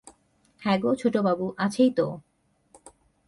হ্যাঁগো ছোটবাবু, আছেই তো।